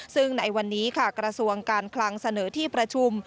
ซึ่งในวันนี้ค่ะกระทรวงการคลังเสนอที่ประชุม